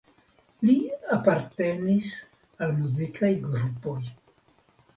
Li apartenis al muzikaj grupoj.